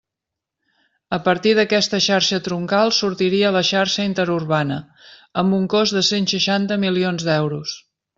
A partir d'aquesta xarxa troncal sortiria la xarxa interurbana, amb un cost de cent seixanta milions d'euros.